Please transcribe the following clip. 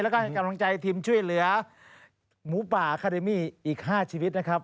แล้วก็ให้กำลังใจทีมช่วยเหลือหมูป่าคาเดมี่อีก๕ชีวิตนะครับ